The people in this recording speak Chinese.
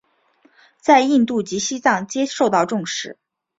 在印度及西藏皆受到重视。